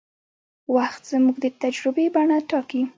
وخت زموږ د تجربې بڼه ټاکي.